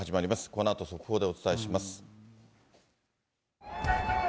このあと速報でお伝えします。